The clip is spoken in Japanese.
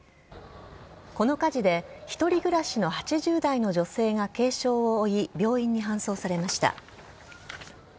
この火事で、１人暮らしの８０代の女性が軽傷を負い、病院に搬送されました。